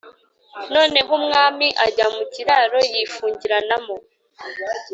noneho umwami ajya mu kiraro yifungiranamo,